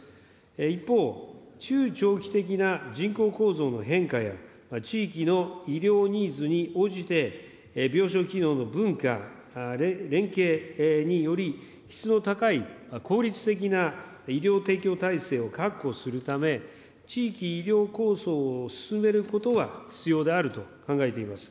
一方、中長期的な人口構造の変化や、地域の医療ニーズに応じて、病床機能の分化、連携により、質の高い効率的な医療提供体制を確保するため、地域医療構想を進めることは必要であると考えています。